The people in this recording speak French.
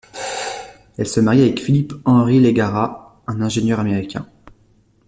Elle se marie avec Philip Henry Legarra, un ingénieur américain.